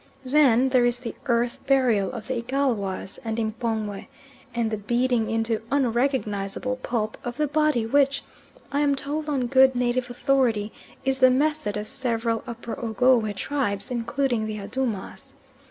Then there is the earth burial of the Igalwas and M'pongwe, and the beating into unrecognisable pulp of the body which, I am told on good native authority, is the method of several Upper Ogowe tribes, including the Adoomas.